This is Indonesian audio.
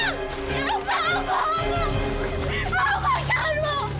abang jangan bang